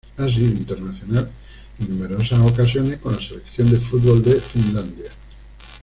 Ha sido internacional en numerosas ocasiones con la Selección de fútbol de Finlandia.